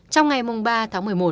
trong ngày ba tháng một mươi một